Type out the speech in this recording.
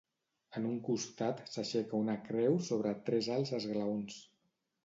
En un costat s'aixeca una creu sobre tres alts esglaons.